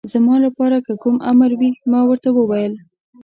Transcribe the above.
زما لپاره که کوم امر وي، ما ورته وویل.